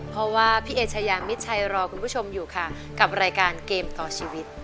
เพราะว่าพี่เอชายามิดชัยรอคุณผู้ชมอยู่ค่ะกับรายการเกมต่อชีวิต